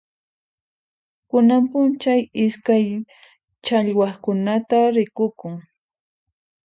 Kunan p'unchay iskay challwaqkunata rikukun.